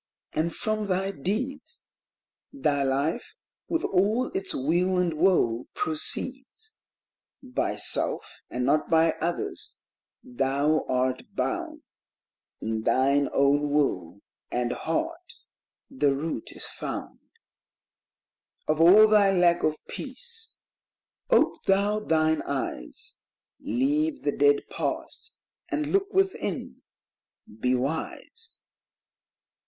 and from thy deeds Thy life, with all its weal and woe, proceeds ; By self, and not by others, thou art bound ; In thine own will and heart the root is found Of all thy lack of peace; ope thou thine eyes, Leave the dead past, and look within ; be wise.